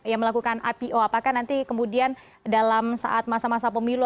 yang melakukan ipo apakah nanti kemudian dalam saat masa masa pemilu